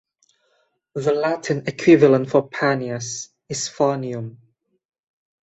The Latin equivalent for Paneas is Fanium.